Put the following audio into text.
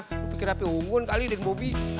lo pikir api unggun kali dengan bobby